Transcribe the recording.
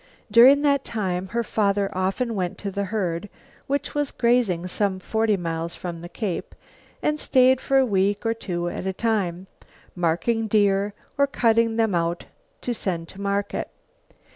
During that time her father often went to the herd, which was grazing some forty miles from the Cape, and stayed for a week or two at a time, marking deer or cutting them out to send to market.